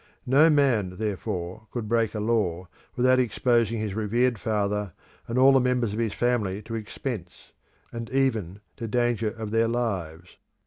No man, therefore, could break a law without exposing his revered father and all the members of his family to expense, and even to danger of their lives.